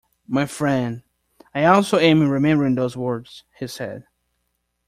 "My friend, I also am remembering those words," he said.